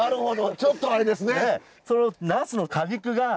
ちょっとあれですね。